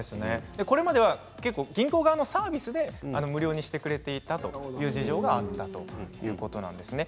これまでは銀行側のサービスで無料にしてくれていたという事情があったということなんですね。